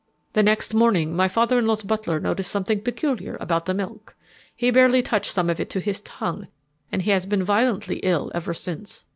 The next morning my father in law's butler noticed something peculiar about the milk. He barely touched some of it to his tongue, and he has been violently ill ever since.